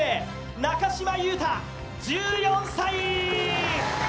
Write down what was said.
中島結太１４歳。